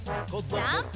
ジャンプ！